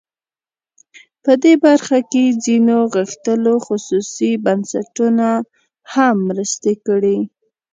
په دې برخه کې ځینو غښتلو خصوصي بنسټونو هم مرستې کړي.